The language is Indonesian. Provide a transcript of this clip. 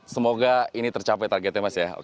semoga ini tercapai targetnya mas ya